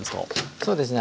そうですね。